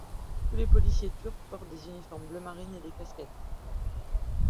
Tous les policiers turcs portent des uniformes bleu marine et des casquettes.